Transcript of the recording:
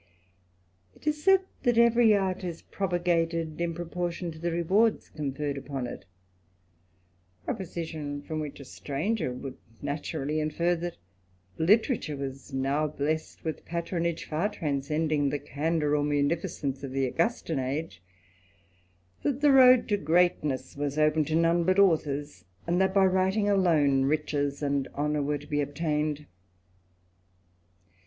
It is said, that every art is propagated in proportion to the rewards conferred upon it ; a position from which a stranger would naturally infer, that literature was now blessed witb THE ADVENTURER. 253 Patronage fer transcending the candour or munificence of the Augustine age, that the road to greatness was open to '^ooe but authors, and that by writing alone riches and honour were to be obtained.